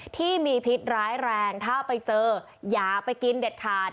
ที่มีพิษร้ายแรงถ้าไปเจออย่าไปกินเด็ดขาด